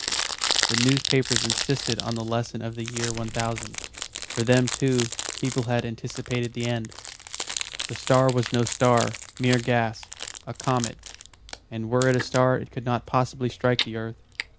The newspapers insisted on the lesson of the year 1000 for then, too, people had anticipated the end. The star was no star mere gas a comet; and were it a star it could not possibly strike the earth.